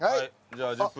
じゃあ１０分。